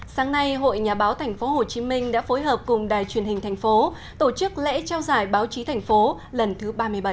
sáng nay hội nhà báo tp hcm đã phối hợp cùng đài truyền hình tp hcm tổ chức lễ trao giải báo chí tp hcm lần thứ ba mươi bảy